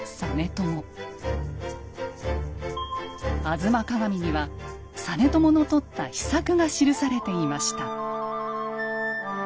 「吾妻鏡」には実朝のとった秘策が記されていました。